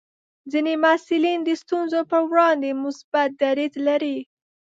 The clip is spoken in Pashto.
ځینې محصلین د ستونزو پر وړاندې مثبت دریځ لري.